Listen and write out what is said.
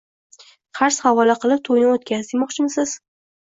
Qarz havola qilib toʻyni oʻtkaz, demoqchimisiz